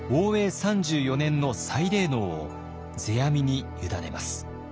３４年の祭礼能を世阿弥に委ねます。